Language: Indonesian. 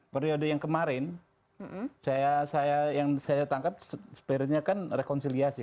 periode yang kemarin yang saya tangkap spiritnya kan rekonsiliasi